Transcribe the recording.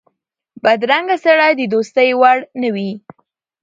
بدرنګه سړی د دوستۍ وړ نه وي